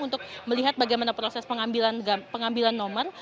untuk melihat bagaimana proses pengambilan nomor